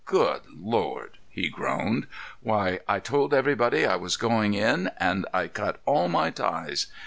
Good Lord!" he groaned. "Why, I told everybody I was going in, and I cut all my ties.